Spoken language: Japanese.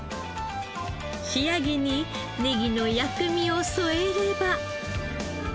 仕上げにネギの薬味を添えれば。